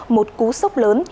một cú sốc lớn